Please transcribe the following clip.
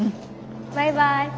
バイバイ。